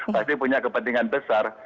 pasti punya kepentingan besar